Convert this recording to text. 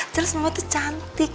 terus mama itu cantik